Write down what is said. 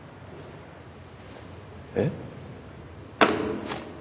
えっ？